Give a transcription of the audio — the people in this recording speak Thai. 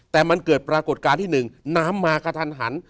แต่มันเกิดปรากฏการณ์ที่๑น้ำมากระทันหัน